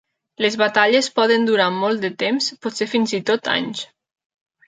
Les batalles poden durar molt de temps, potser fins i tot anys.